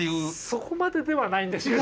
そこまでではないんです。